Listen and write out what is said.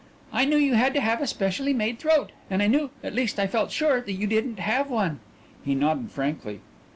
"I knew you had to have a specially made throat and I knew, at least I felt sure, that you didn't have one." He nodded frankly.